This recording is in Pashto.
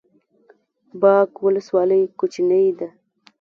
باک ولسوالۍ کوچنۍ ده؟